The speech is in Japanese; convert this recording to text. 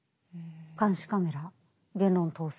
監視カメラ言論統制